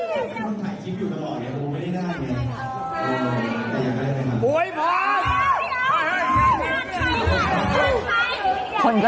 คืออาจจะคิดว่าเราทั้งสองคนรู้จักแอร์แกล้ง